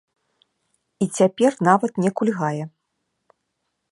І цяпер нават не кульгае.